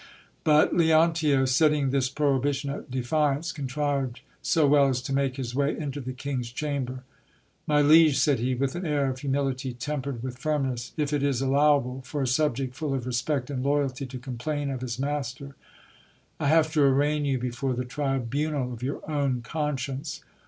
But Leontio, setting this prohibition at defiance, contrived so well as to make his way into the king's chamber. My liege, said he, with an air of humility tempered with firmness, if it is allowable for a subject full of respect and loyalty to complain of his master, I have to arraign you before the tribunal of your own conscience.